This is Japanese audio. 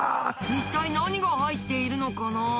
一体何が入っているのかな？